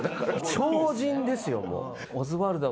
超人ですよもう。